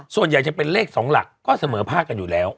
ส่วนใหญ่จะเป็นเลข๒หลักก็เสมอภาคกันอยู่แล้ว